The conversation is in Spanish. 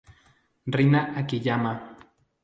Rina Akiyama